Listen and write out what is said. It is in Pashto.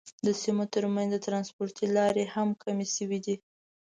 د سیمو تر منځ ترانسپورتي لارې هم کمې شوې دي.